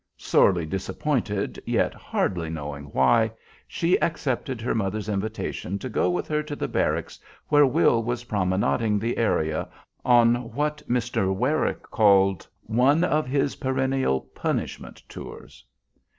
Sorely disappointed, yet hardly knowing why, she accepted her mother's invitation to go with her to the barracks where Will was promenading the area on what Mr. Werrick called "one of his perennial punishment tours."